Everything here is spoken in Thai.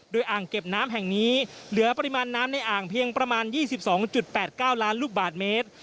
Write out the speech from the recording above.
โดยอ่างเก็บน้ำแห่งนี้เหลือปริมาณน้ำในอ่างเพียงประมาณ๒๒๘๙ล้านลูกบาทเมตร